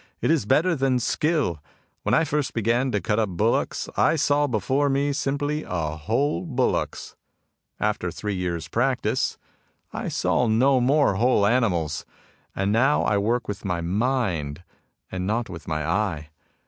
It is better than skill. When I first began to cut up bullocks, I saw before me simply whole bullocks. After three years' practice, I saw no more whole animals. And now I work with my mind and not with my eye.